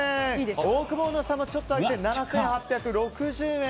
オオクボーノさんもちょっと上げて７８６０円。